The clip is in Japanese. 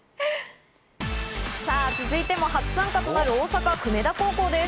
さあ、続いても初参加となる、大阪・久米田高校です。